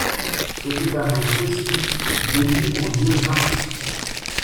C'était un jour festif dédié au dieu Mars.